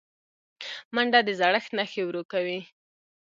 منډه د زړښت نښې ورو کوي